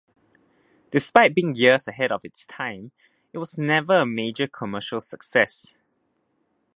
Despite being years ahead of its time it was never a major commercial success.